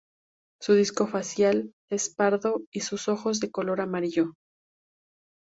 Su disco facial es pardo y sus ojos de color amarillo.